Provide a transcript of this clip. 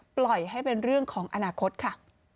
ปล่อยให้เป็นเรื่องของอนาคตค่ะ